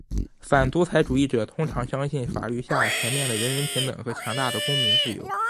反独裁主义者通常相信法律下全面的人人平等的和强大的公民自由。